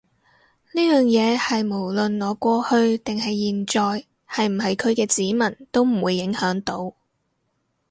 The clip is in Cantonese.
呢樣嘢係無論我過去定係現在係唔係佢嘅子民都唔會影響到